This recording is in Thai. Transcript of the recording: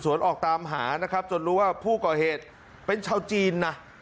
ออกตามหานะครับจนรู้ว่าผู้ก่อเหตุเป็นชาวจีนนะ